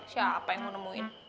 siapa yang mau nemuin